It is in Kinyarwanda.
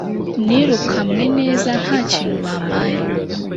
nirukamwe neza ntakintu bampaye